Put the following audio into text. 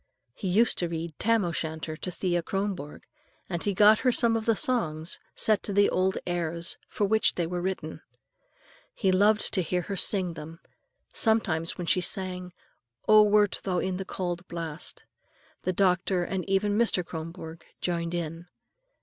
He used to read "Tam o'Shanter" to Thea Kronborg, and he got her some of the songs, set to the old airs for which they were written. He loved to hear her sing them. Sometimes when she sang, "Oh, wert thou in the cauld blast," the doctor and even Mr. Kronborg joined in.